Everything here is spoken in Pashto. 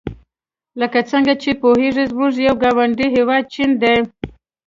لکه څنګه چې پوهیږئ زموږ یو ګاونډي هېواد چین دی.